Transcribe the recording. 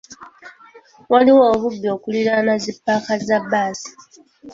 Waliwo obubbi okuliraana zi ppaaka za bbaasi.